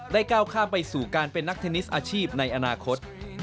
ก้าวข้ามไปสู่การเป็นนักเทนนิสอาชีพในอนาคต